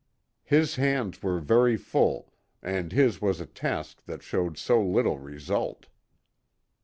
His hands were very full, and his was a task that showed so little result.